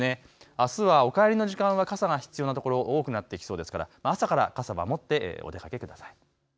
あすはお帰りの時間は傘が必要な所、多くなってきそうですから朝から傘は持ってお出かけください。